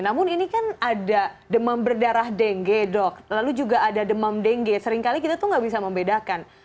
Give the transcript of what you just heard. namun ini kan ada demam berdarah dengge dok lalu juga ada demam dengge seringkali kita tuh nggak bisa membedakan